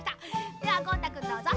ではゴン太くんどうぞ。